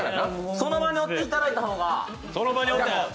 その場におっていただいた方が。